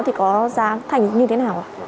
thì có giá thành như thế nào ạ